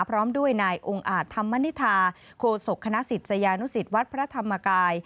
พร้อมด้วยนายองค์อาจธรรมนิษฐาโคศกคณะศิษยานุสิตวัดพระธรรมกาย